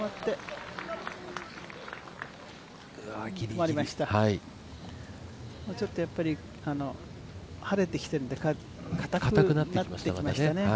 止まりましたちょっと、晴れてきてるのでまたかたくなってきましたね。